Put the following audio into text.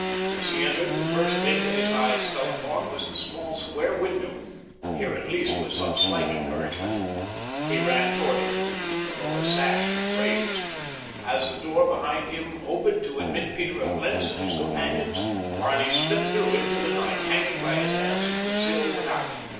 As he entered the first thing that his eyes fell upon was the small square window. Here at least was some slight encouragement. He ran toward it. The lower sash was raised. As the door behind him opened to admit Peter of Blentz and his companions, Barney slipped through into the night, hanging by his hands from the sill without.